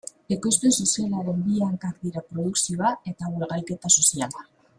Ekoizpen sozialaren bi hankak dira produkzioa eta ugalketa soziala.